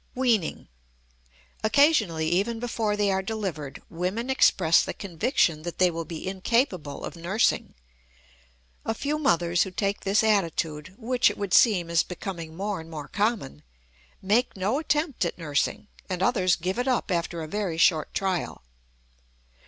WEANING. Occasionally, even before they are delivered, women express the conviction that they will be incapable of nursing. A few mothers who take this attitude, which it would seem is becoming more and more common, make no attempt at nursing, and others give it up after a very short trial.